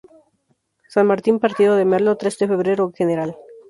San Martín, Partido de Merlo, Tres de Febrero, Gral.